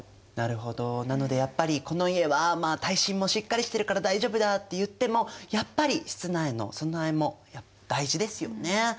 なるほどなのでやっぱりこの家は耐震もしっかりしてるから大丈夫だっていってもやっぱり室内の備えも大事ですよね。